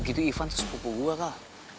gitu ivan terus pupuk gue kak